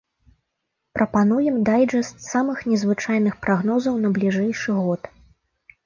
Прапануем дайджэст самых незвычайных прагнозаў на бліжэйшы год.